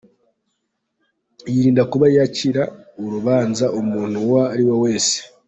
Yirinda kuba yacira urubanza umuntu uwo ari we wese.